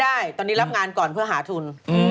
ใช่ตอนนี้รับงานก่อนเพื่อหาทุน